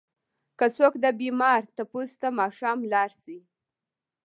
که څوک د بيمار تپوس ته ماښام لاړ شي؛